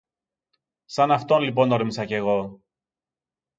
Σ' αυτόν λοιπόν όρμησα κι εγώ